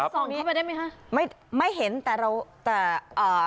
ส่องนี้ไปได้ไหมคะไม่ไม่เห็นแต่เราแต่อ่า